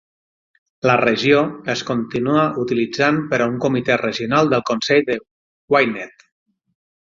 La regió es continua utilitzant per a un comitè regional del consell de Gwynedd.